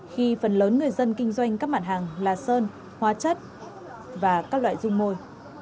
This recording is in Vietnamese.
khi phần lớn người dân kinh doanh các mặt hàng là sơn hoa chất và các loại dung môi